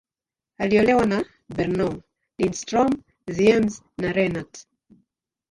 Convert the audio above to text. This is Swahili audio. Aliolewa na Bernow, Lindström, Ziems, na Renat.